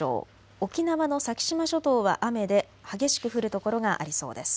沖縄の先島諸島は雨で激しく降る所がありそうです。